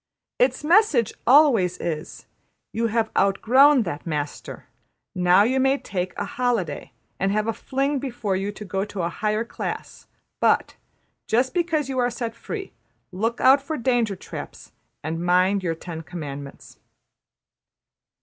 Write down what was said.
'' Its message always is: ``You have outgrown that master; now you may take a holiday and have a fling before you go into a higher class; but, just because you are set free, look out for danger traps; and mind your Ten Commandments.''